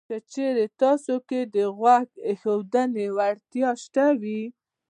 که چېرې تاسې کې د غوږ ایښودنې وړتیا شته وي